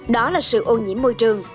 đó là sự ô nhiễm môi trường